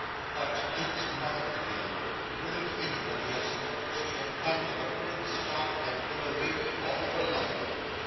But Kit's mother, again wouldn't anybody have supposed she had come of a good stock and been a lady all her life!